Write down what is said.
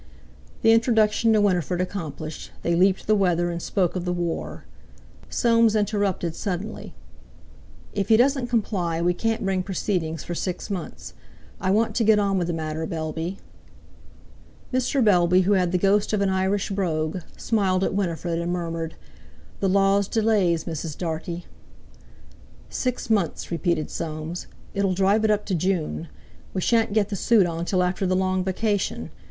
The introduction to Winifred accomplished, they leaped the weather and spoke of the war. Soames interrupted suddenly: "If he doesn't comply we can't bring proceedings for six months. I want to get on with the matter, Bellby." Mr. Bellby, who had the ghost of an Irish brogue, smiled at Winifred and murmured: "The Law's delays, Mrs. Dartie." "Six months!" repeated Soames; "it'll drive it up to June! We shan't get the suit on till after the long vacation.